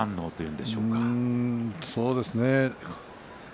そうですね。